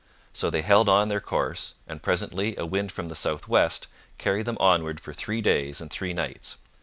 So they held on their course, and presently a wind from the south west carried them onward for three days and three nights.